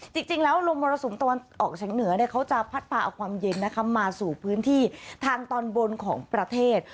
จริงแล้วลมมรสุมตะวันออกเฉียงเหนือเขาจะพัดพาเอาความเย็นนะคะมาสู่พื้นที่ทางตอนบนของประเทศ